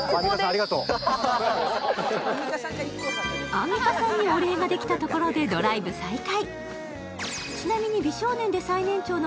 アンミカさんにお礼ができたところでドライブ再開。